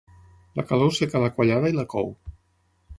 La calor seca la quallada i la cou.